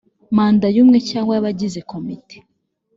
manda y umwe cyangwa y abagize komite